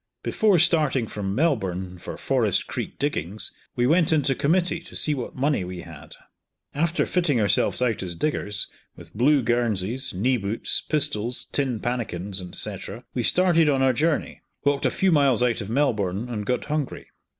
Before starting from Melbourne for Forest Creek diggings, we went into committee to see what money we had After fitting ourselves out as diggers, with blue guernseys, knee boots, pistols, tin pannikins, &c., we started on our journey, walked a few miles out of Melbourne, and got hungry.